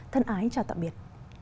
thân ái chào tạm biệt